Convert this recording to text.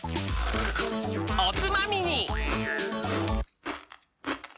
おつまみに！